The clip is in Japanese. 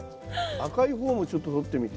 赤い方もちょっととってみて。